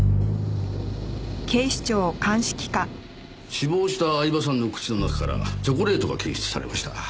死亡した饗庭さんの口の中からチョコレートが検出されました。